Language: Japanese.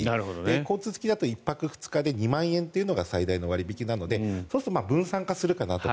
交通付きだと１泊２日で２万円というのが最大の割引なのでそうすると分散化するかなと。